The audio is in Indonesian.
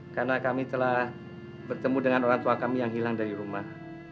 karena kami telah bertemu dengan orang tua kami yang hilang dari rumah